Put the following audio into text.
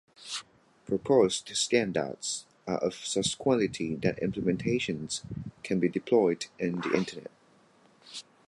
Proposed Standards are of such quality that implementations can be deployed in the Internet.